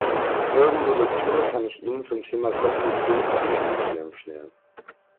Folgende Lektüre kann ich Ihnen zum Thema Kognitionspsychologie empfehlen.